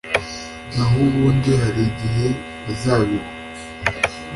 naho ubundi hari igihe bazabiba